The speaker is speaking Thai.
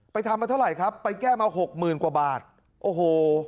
ทำมาเท่าไหร่ครับไปแก้มาหกหมื่นกว่าบาทโอ้โห